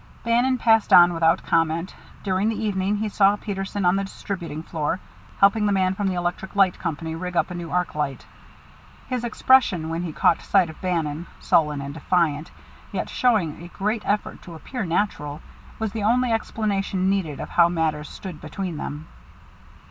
Bannon passed on without comment. During the evening he saw Peterson on the distributing floor, helping the man from the electric light company rig up a new arc light. His expression when he caught sight of Bannon, sullen and defiant, yet showing a great effort to appear natural, was the only explanation needed of how matters stood between them.